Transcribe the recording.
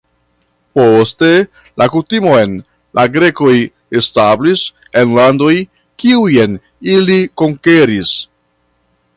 Poste la kutimon la grekoj establis en landoj, kiujn ili konkeris.